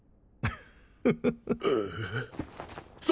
フフフそ